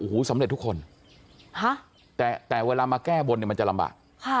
โอ้โหสำเร็จทุกคนแต่เวลามาแก้บนเนี่ยมันจะลำบาก